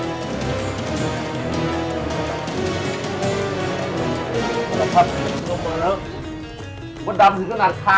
มดดำถึงขนาดคานแล้วนะครับ